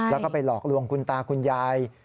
แล้วก็ไปหลอกลวงคุณตาคุณยาย